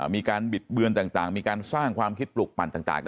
มีการบิดเบือนต่างมีการสร้างความคิดปลุกปั่นต่าง